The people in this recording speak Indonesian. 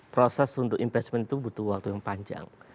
proses untuk impeachment itu butuh waktu yang panjang